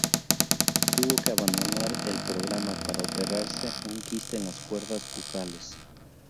Tuvo que abandonar el programa para operarse un quiste en las cuerdas vocales.